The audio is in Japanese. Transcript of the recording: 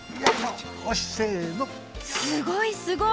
すごい！